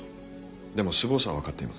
でも首謀者は分かっています。